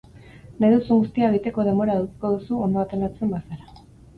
Nahi duzun guztia egiteko denbora edukiko duzu ondo antolatzen bazara.